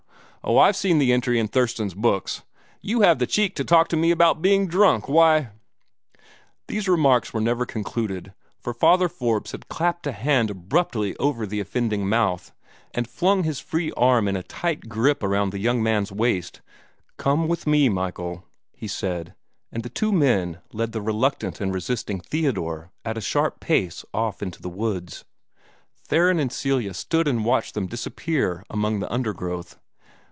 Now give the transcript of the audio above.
Oh, I've seen the entry in Thurston's books! You have the cheek to talk to me about being drunk why " These remarks were never concluded, for Father Forbes here clapped a hand abruptly over the offending mouth, and flung his free arm in a tight grip around the young man's waist. "Come with me, Michael!" he said, and the two men led the reluctant and resisting Theodore at a sharp pace off into the woods. Theron and Celia stood and watched them disappear among the undergrowth.